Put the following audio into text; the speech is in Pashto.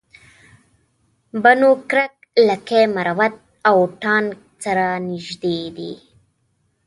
بنو کرک لکي مروت او ټانک سره نژدې دي